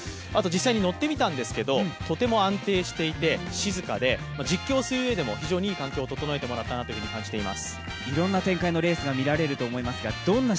あと実際に乗ってみたんですけどとても安定していて静かで実況をするうえでも非常にいい環境を整えてもらったなと感じます。